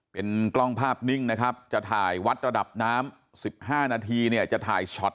เป็นกล้องภาพนิ่งนะครับจะถ่ายวัดระดับน้ำ๑๕นาทีเนี่ยจะถ่ายช็อต